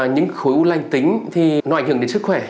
những khối u lành tính thì nó ảnh hưởng đến sức khỏe